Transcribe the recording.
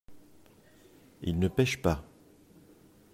Il ne pêche pas.